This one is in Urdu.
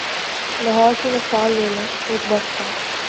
لاہور کی مثال لے لیں، ایک وقت تھا۔